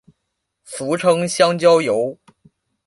俗称香蕉油。